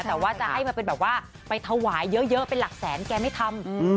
แต่ว่าจะให้มาเป็นแบบว่าไปถวายเยอะเป็นหลักแสนแกไม่ทำ